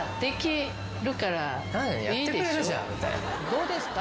どうですか？